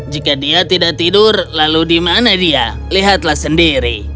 jika dia tidak tidur lalu di mana dia lihatlah sendiri